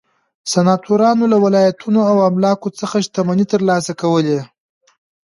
سناتورانو له ولایتونو او املاکو څخه شتمنۍ ترلاسه کولې.